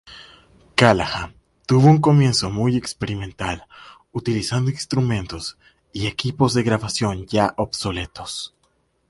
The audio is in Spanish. Callahan tuvo un comienzo muy experimental, utilizando instrumentos y equipos de grabación ya obsoletos.